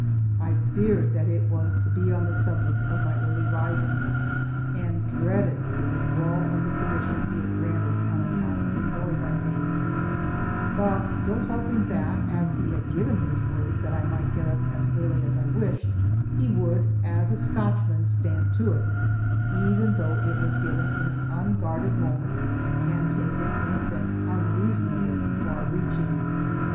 I feared that it was to be on the subject of my early rising, and dreaded the withdrawal of the permission he had granted on account of the noise I made, but still hoping that, as he had given his word that I might get up as early as I wished, he would as a Scotchman stand to it, even though it was given in an unguarded moment and taken in a sense unreasonably far reaching.